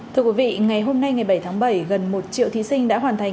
thưa quý vị ngày hôm nay ngày bảy tháng bảy gần một triệu thí sinh đã hoàn thành